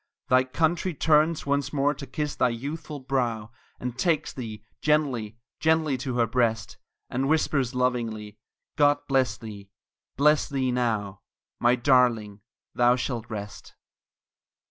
Thy country turns once more to kiss thy youthful brow, And takes thee gently gently to her breast; And whispers lovingly, "God bless thee bless thee now My darling, thou shalt rest!"